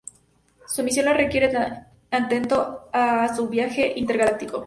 Su misión lo requiere atento a su viaje intergaláctico.